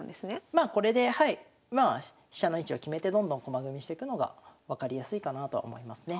まあこれではい飛車の位置を決めてどんどん駒組みしてくのが分かりやすいかなとは思いますね。